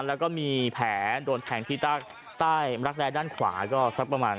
แล้วก็มีแผลโดนแทงที่ใต้รักแร้ด้านขวาก็สักประมาณ